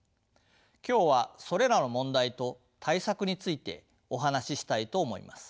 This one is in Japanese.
今日はそれらの問題と対策についてお話ししたいと思います。